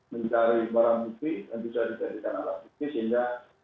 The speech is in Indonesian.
mencari barang mimpi yang bisa dijadikan alat pilih sehingga